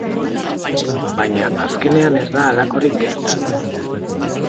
Baina azkenean ez da halakorik gertatu.